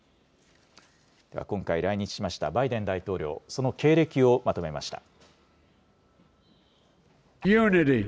今回来日ましたバイデン大統領、その経歴をまとめました。